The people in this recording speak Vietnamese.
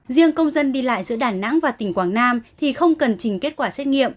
riêng công dân đi lại giữa đà nẵng và tỉnh quảng nam thì không cần trình kết quả xét nghiệm